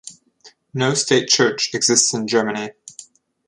No state church exists in Germany.